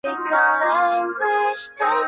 地拉那的当地交通工具主要是巴士或的士。